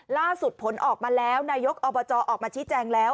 ล่าสุดผลออกมาแล้วนายกอบจออกมาที่แจงแล้ว